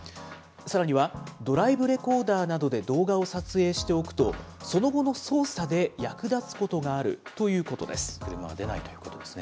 さらには、ドライブレコーダーなどで動画を撮影しておくと、その後の捜査で役立つことがあるということです。